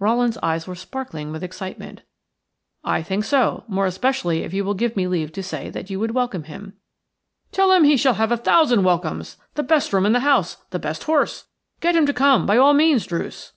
Rowland's eyes were sparkling with excitement. "I think so; more especially if you will give me leave to say that you would welcome him." "Tell him he shall have a thousand welcomes, the best room in the house, the best horse. Get him to come by all means, Druce."